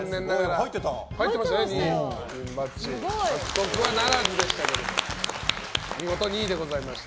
ピンバッジ獲得はならずでしたけど見事２位でございました。